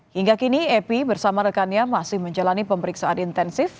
hingga kini epi bersama rekannya masih menjalani pemeriksaan intensif